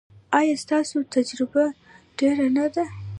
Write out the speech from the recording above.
ایا ستاسو تجربه ډیره نه ده؟